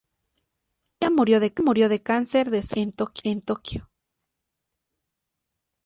Ella murió de cáncer de esófago en Tokio.